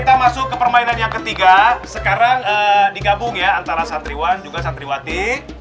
di permainan yang ketiga sekarang digabung ya antara santriwan juga santriwati